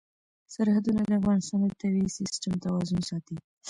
سرحدونه د افغانستان د طبعي سیسټم توازن ساتي.